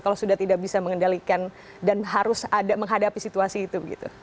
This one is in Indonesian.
kalau sudah tidak bisa mengendalikan dan harus ada menghadapi situasi itu